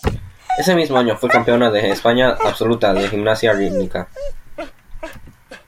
Ese mismo año fue campeona de España absoluta de gimnasia rítmica.